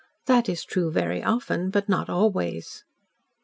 That is true very often, but not always."